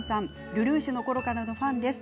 ルルーシュのころからのファンです。